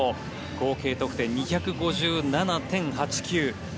合計得点２５７．８９。